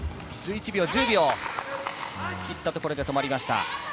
１０秒を切ったところで止まりました。